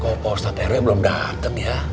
kau post up era belum dateng ya